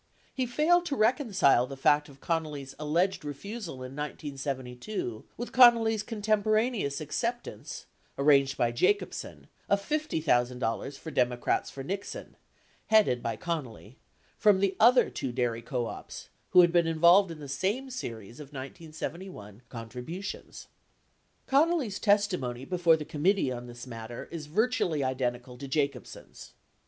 80 He failed to reconcile the fact of Connally's alleged refusal in 1972 with Connally's contemporaneous acceptance ( arranged by Jacobsen) of $50,000 for Democrats for Nixon (headed by Con nally) from the other two dairy co ops who had been involved in the same series of 1971 contributions. 81 Connally's testimony before the committee on this matter is vir tually identical to Jacobsen's.